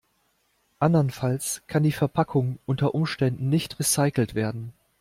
Andernfalls kann die Verpackung unter Umständen nicht recycelt werden.